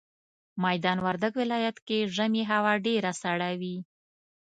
ميدان وردګ ولايت کي ژمي هوا ډيره سړه وي